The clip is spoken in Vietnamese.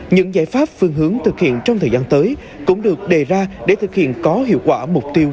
những giải pháp phương hướng thực hiện trong thời gian tới cũng được đề ra để thực hiện có hiệu quả mục tiêu